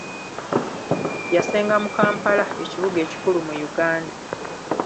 Yassenga mu Kampala, ekibuga ekikulu mu Uganda